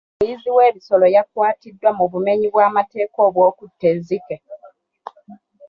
Omuyizzi w'ebisolo yakwatiddwa mu bumenyi bw'amateeka obw'okutta ezzike.